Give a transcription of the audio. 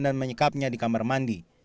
dan menyikapnya di kamar mandi